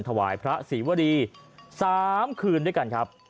ถวายพระศรีวรี๓คืนด้วยกันครับ